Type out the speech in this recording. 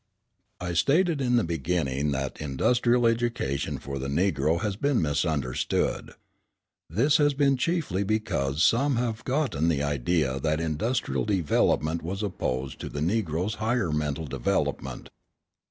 I stated in the beginning that industrial education for the Negro has been misunderstood. This has been chiefly because some have gotten the idea that industrial development was opposed to the Negro's higher mental development.